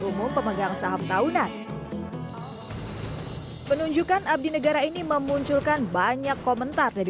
umum pemegang saham tahunan penunjukan abdi negara ini memunculkan banyak komentar dari